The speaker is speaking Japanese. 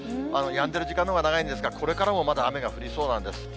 やんでる時間のほうが長いんですが、これからもまだ雨が降りそうなんです。